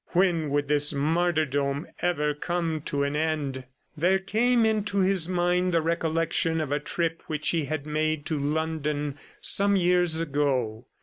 When would this martyrdom ever come to an end? ... There came into his mind the recollection of a trip which he had made to London some years ago.